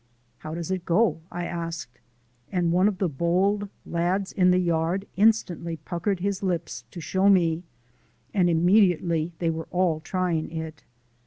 "How does it go?" I asked, and one of the bold lads in the yard instantly puckered his lips to show me, and immediately they were all trying it.